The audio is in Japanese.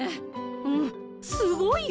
うんすごいよ！